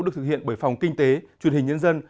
được thực hiện bởi phòng kinh tế truyền hình nhân dân